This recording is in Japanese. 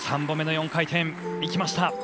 ３本目の４回転いきました。